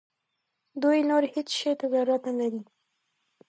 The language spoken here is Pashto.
دوی نور هیڅ شي ته ضرورت نه لري.